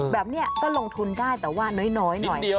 แบบนี้ก็ลงทุนได้แต่ว่าน้อยหน่อย